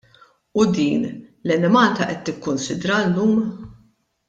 U din, l-Enemalta qed tikkunsidraha llum?